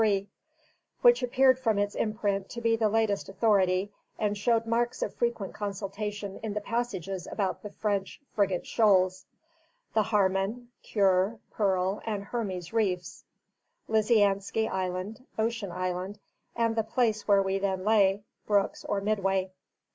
III._, which appeared from its imprint to be the latest authority, and showed marks of frequent consultation in the passages about the French Frigate Shoals, the Harman, Cure, Pearl, and Hermes reefs, Lisiansky Island, Ocean Island, and the place where we then lay Brooks or Midway.